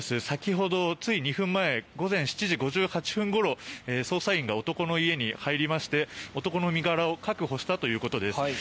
先ほどつい２分前午前７時５８分ごろ捜査員が男の家に入りまして男の身柄を確保したということです。